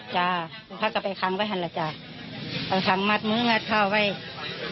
เธอต้องใช้ราบบอกว่าเธอต้องใช้ราบบอกว่าแมงเท่าไหร่